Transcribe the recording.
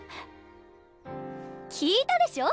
聞いたでしょ？